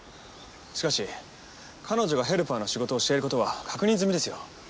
しかし彼女がヘルパーの仕事をしていることは確認済みですよ